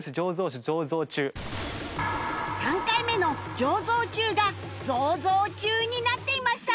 ３回目の「醸造中」が「ぞうぞうちゅう」になっていました